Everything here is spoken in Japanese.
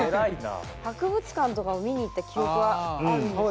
博物館とかも見に行った記憶はあるんですけど。